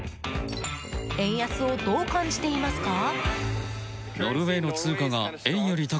円安をどう感じていますか？